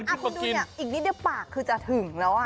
อีกนิดเดียวปากคือจะถึงแล้ว